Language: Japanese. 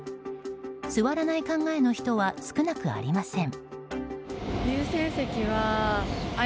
座らない考えの人は少なくありません。